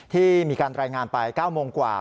ที่มีการรายงานไป๙โมงกว่า